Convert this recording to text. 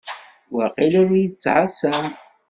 Waqil ad yi-d-ttɛassan.